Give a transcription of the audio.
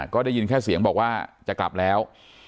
ก็ได้ยินแค่เสียงบอกว่าจะกลับแล้ว